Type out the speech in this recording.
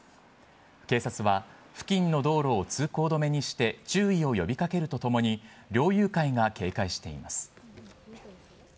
警察は、付近の道路を通行止めにして注意を呼びかけるとともに、猟友会が警戒しています。